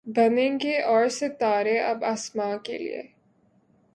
بنیں گے اور ستارے اب آسماں کے لیے